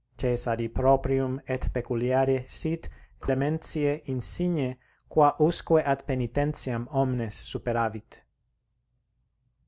("Cæsari proprium et peculiare sit elementiæ insigne qua usque ad poenitentiam omnes superavit.")